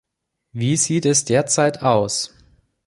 Wie sieht es derzeit aus?